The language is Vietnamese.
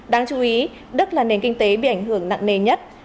đáng chú ý đức là nền kinh tế bị ảnh hưởng nặng nề nhất